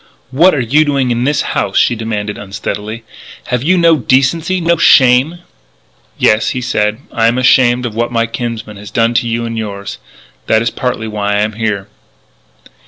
"What are you doing in this house?" she demanded unsteadily. "Have you no decency, no shame?" "Yes," he said, "I am ashamed of what my kinsman has done to you and yours. That is partly why I am here."